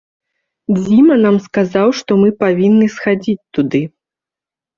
Дзіма нам сказаў, што мы павінны схадзіць туды.